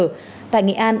tại nghệ an hà nội nghệ an